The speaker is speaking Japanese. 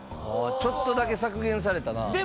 ああちょっとだけ削減されたな。